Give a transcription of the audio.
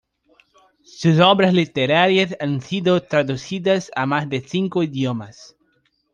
Sus obras literarias han sido traducidas a más de cinco idiomas.